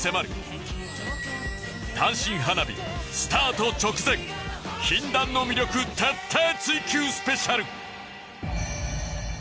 『単身花日』スタート直前禁断の魅力徹底追求スペシャル